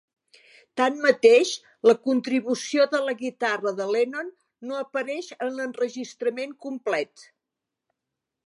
Tanmateix, la contribució de la guitarra de Lennon no apareix en l'enregistrament complet.